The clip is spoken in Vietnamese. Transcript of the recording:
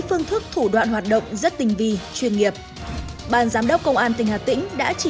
phương thức thủ đoạn hoạt động rất tình vi chuyên nghiệp ban giám đốc công an tỉnh hà tĩnh đã chỉ